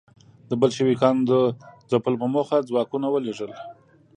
د بلشویکانو د ځپلو په موخه ځواکونه ولېږل.